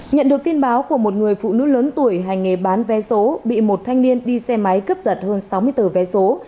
nhận được tin báo của một người phụ nữ lớn tuổi hành nghề bán vé số bị một thanh niên đi xe máy cướp giật hơn sáu mươi tờ vé số